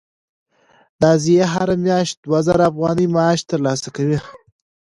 نازیه هره میاشت دوه زره افغانۍ معاش ترلاسه کوي.